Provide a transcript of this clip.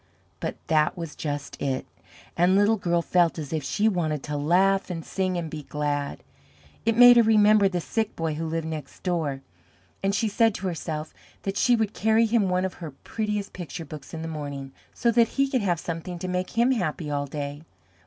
But that was just it, and Little Girl felt as if she wanted to laugh and sing and be glad. It made her remember the Sick Boy who lived next door, and she said to herself that she would carry him one of her prettiest picture books in the morning, so that he could have something to make him happy all day.